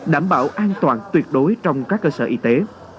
đảm bảo an toàn tuyệt đối trong các cơ sở y tế